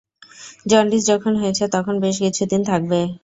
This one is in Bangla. জন্ডিস যখন হয়েছে, তখন বেশ কিছু দিন থাকবে।